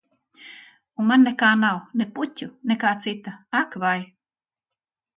Un man nekā nav - ne puķu, ne kā cita. Ak vai.